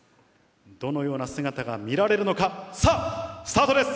どのような姿が見られるのか、さあ、スタートです。